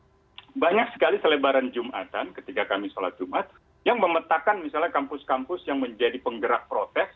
pengalaman pribadi saya ketika itu banyak sekali selebaran jumatan ketika kami sholat jumat yang memetakan misalnya kampus kampus yang menjadi penggerak protes